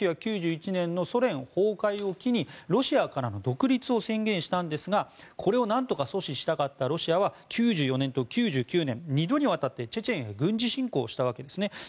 １９９１年のソ連崩壊を機にロシアからの独立を宣言したんですがこれを何とか阻止したかったロシアは９４年と９９年２度にわたってチェチェンへ軍事侵攻したわけですね。